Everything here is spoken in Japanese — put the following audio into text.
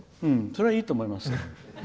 それはいいと思います。